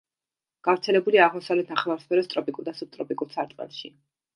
გავრცელებულია აღმოსავლეთ ნახევარსფეროს ტროპიკულ და სუბტროპიკულ სარტყელში.